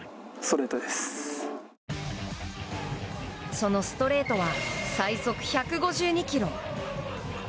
そのストレートは最速１５２キロ。